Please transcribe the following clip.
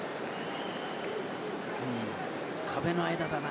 壁の間だな。